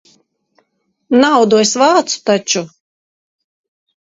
Naudu es vācu taču.